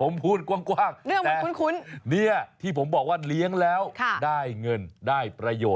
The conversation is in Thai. ผมพูดกว้างคุ้นเนี่ยที่ผมบอกว่าเลี้ยงแล้วได้เงินได้ประโยชน์